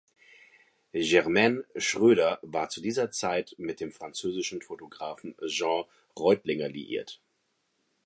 Germaine Schroeder war zu dieser Zeit mit dem französischen Fotografen Jean Reutlinger liiert.